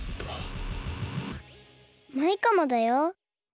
マイカもだよ。